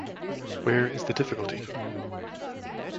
Where is the difficulty?